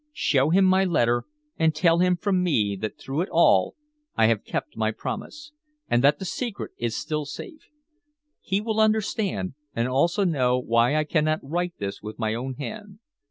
Show him my letter, and tell him from me that through it all I have kept my promise, and that the secret is still safe. He will understand and also know why I cannot write this with my own hand.